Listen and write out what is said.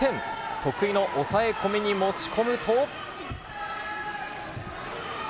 得意の押さえ込みに持ち込むと。